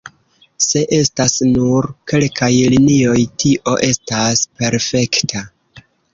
Se estas nur kelkaj linioj, tio estas perfekta.